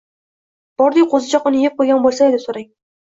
Bordi-yu qo‘zichoq uni yeb qo‘ygan bo‘lsa-ya?» deb so‘rang.